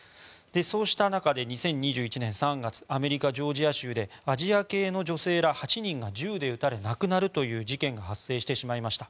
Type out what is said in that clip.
そうした中で２０２１年３月アメリカ・ジョージア州でアジア系の女性ら８人が銃で撃たれ亡くなるという事件が発生してしまいました。